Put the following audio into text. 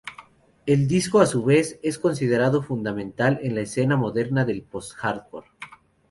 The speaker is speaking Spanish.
El disco, a su vez, es considerado fundamental en la escena moderna del Post-hardcore.